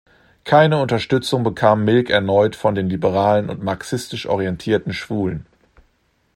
Keine Unterstützung bekam Milk erneut von den liberalen und marxistisch orientierten Schwulen.